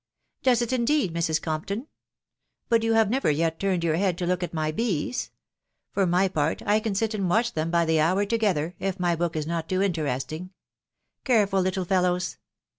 " Does it indeed, Mrs. Compton ?...• But you have never yet turned your head to look at my bees ;.... for my part, I can sit and watch them by the hour together, if my book is not too interesting :.... careful little fellows